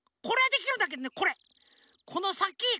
これはできるんだけどねこれ！